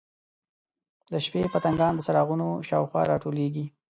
د شپې پتنګان د څراغونو شاوخوا راټولیږي.